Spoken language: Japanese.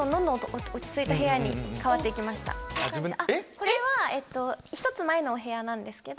これは１つ前のお部屋なんです。